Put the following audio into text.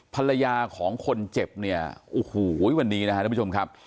ภรรยาของคนเจ็บเนี่ยโอ้โหวันนี้นะครับทุกผู้ชมครับ